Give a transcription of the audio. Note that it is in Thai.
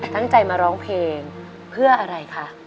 ตั้งใจมาร้องเพลงเพื่ออะไรคะ